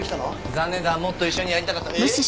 残念だもっと一緒にやりたかったええっ？